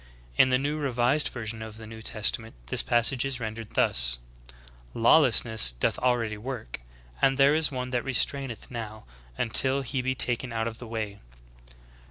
In the Revised Version of the New Testament this passage is rendered thus :"— lawlessness doth' already work: only there is one that restraineth now, until he be taken out of the w^ay."